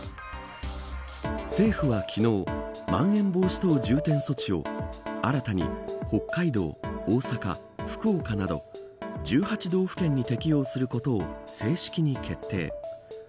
政府は昨日まん延防止等重点措置を新たに北海道、大阪福岡など１８道府県に適用することを正式に決定。